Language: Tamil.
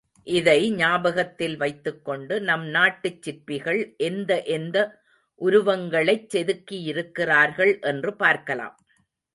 இதை ஞாபகத்தில் வைத்துக்கொண்டு நம் நாட்டுச் சிற்பிகள் எந்த எந்த உருவங்களைச் செதுக்கியிருக்கிறார்கள் என்று பார்க்கலாம்.